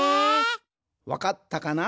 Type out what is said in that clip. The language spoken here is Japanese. わかったかな？